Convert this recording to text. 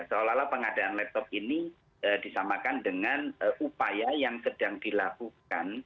seolah olah pengadaan laptop ini disamakan dengan upaya yang sedang dilakukan